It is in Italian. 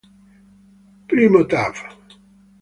I, tav.